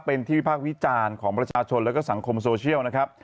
เป็นที่วิพากษ์วิจารณ์ของประชาชนแล้วก็สังคมโซเชียลนะครับ